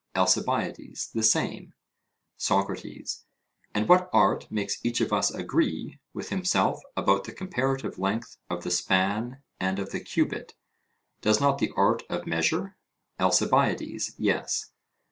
ALCIBIADES: The same. SOCRATES: And what art makes each of us agree with himself about the comparative length of the span and of the cubit? Does not the art of measure? ALCIBIADES: Yes.